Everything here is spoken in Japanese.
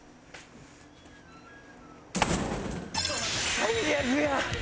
最悪や！